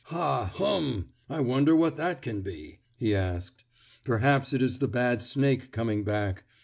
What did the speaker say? "Ha, hum! I wonder what that can be?" he asked. "Perhaps it is the bad snake coming back.